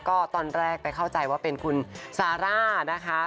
ก็ตอนแรกไปเข้าใจว่าเป็นคุณซาร่านะคะ